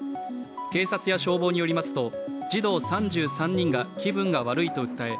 警察や消防によりますと、児童３３人が気分が悪いと訴え